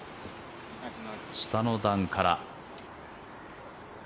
下の段から。